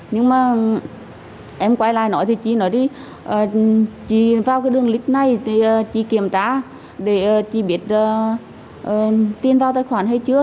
nhưng mà em quay lại nói thì chị nói đi chị vào cái đường link này thì chị kiểm tra để chị biết tiền vào tài khoản hay chưa